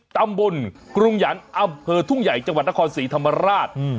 ตำบลกรุงหยันต์อำเภอทุ่งใหญ่จังหวัดนครศรีธรรมราช